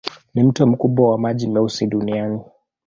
Ni mto mkubwa wa maji meusi duniani.